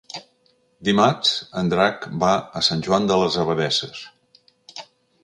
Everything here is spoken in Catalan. Dimarts en Drac va a Sant Joan de les Abadesses.